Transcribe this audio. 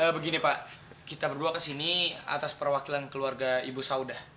begini pak kita berdua kesini atas perwakilan keluarga ibu saudah